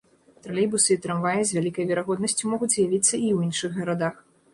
Тралейбусы і трамваі з вялікай верагоднасцю могуць з'явіцца і ў іншых гарадах.